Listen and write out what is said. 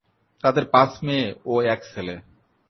তাঁদের পাঁচ মেয়ে ও এক ছেলে।